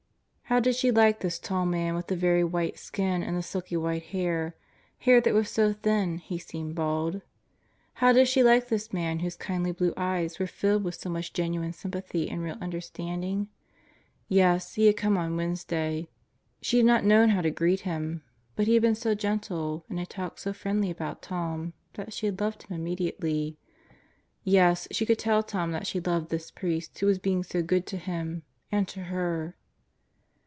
How did she like this tall man with the very white skin and the silky white hair; hair that was so thin he seemed bald? How did she like this man whose kindly blue eyes were filled with so much genuine sympathy and real understanding? Yes, he had come on Wednesday. She had not known how to greet him, but he had been so gentle and had talked so friendly about Tom that she had loved him immediately. Yes, she could tell Tom that she loved this priest who was being so good to him and to her.